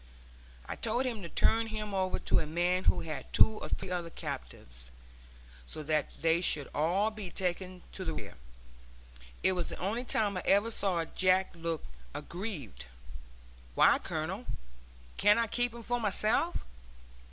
I told him to turn him over to a man who had two or three other captives, so that they should all be taken to the rear. It was the only time I ever saw Jack look aggrieved. "Why, Colonel, can't I keep him for myself?"